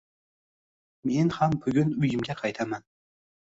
— Men ham bugun uyimga qaytaman.